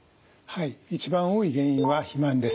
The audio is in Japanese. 一番多い原因は肥満です。